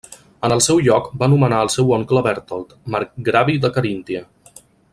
En el seu lloc va nomenar al seu oncle Bertold, marcgravi de Caríntia.